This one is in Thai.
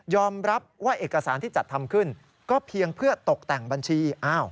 รับว่าเอกสารที่จัดทำขึ้นก็เพียงเพื่อตกแต่งบัญชี